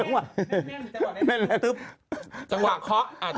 ก๊อกก๊อกก๊อกก๊อกก๊อกก๊อก